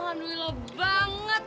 ya ampun alhamdulillah banget